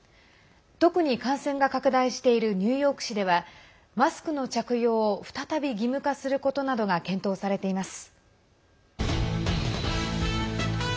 特に感染が拡大しているニューヨーク市ではマスクの着用を再び義務化することなどが検討されています。